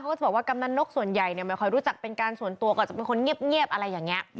ก็จะบอกว่ากำนันนกส่วนใหญ่เนี่ยไม่ค่อยรู้จักเป็นการส่วนตัวก็จะเป็นคนเงียบอะไรอย่างนี้